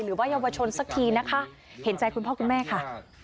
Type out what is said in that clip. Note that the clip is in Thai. หรือว่าเยาวชนสักทีนะคะเห็นใจคุณพ่อคุณแม่ค่ะ